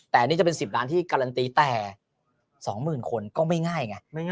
แต่อันนี้จะเป็น๑๐ล้านที่การันตีแต่๒๐๐๐คนก็ไม่ง่ายไง